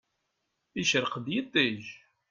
Icreq-d yiṭij.